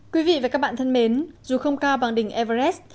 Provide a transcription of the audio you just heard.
quý vị và các bạn thân mến dù không cao bằng đỉnh everes